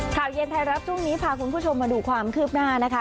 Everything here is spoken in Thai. ข่าวเย็นไทยรัฐช่วงนี้พาคุณผู้ชมมาดูความคืบหน้านะคะ